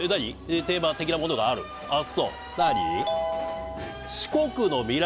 あっそう！